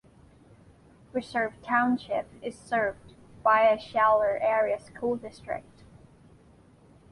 Reserve Township is served by the Shaler Area School District.